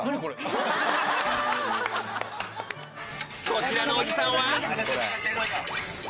［こちらのおじさんは］